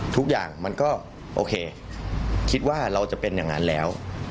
ทุกอย่างมันก็โอเคคิดว่าเราจะเป็นอย่างนั้นแล้ว